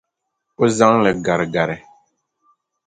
O zaŋ li gari gari.